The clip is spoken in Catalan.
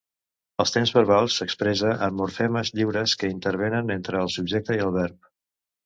El temps verbal s'expressa en morfemes lliures que intervenen entre el subjecte i el verb.